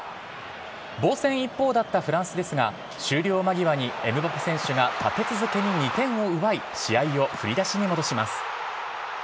防戦一方だったフランスですが、終了間際にエムバペ選手が立て続けに２点を奪い、試合を振り出しに戻します。